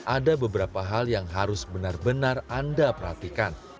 ada beberapa hal yang harus benar benar anda perhatikan